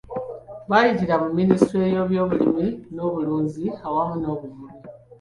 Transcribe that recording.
Bayitira mu Minisitule y’ebyobulimi n’obulunzi awamu n’obuvubi.